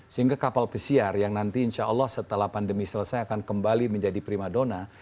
sehingga kapal pesiar yang nanti insya allah setelah pandemi selesai akan kembali menjadi prima dona